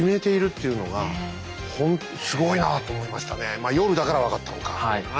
まあ夜だから分かったのかな。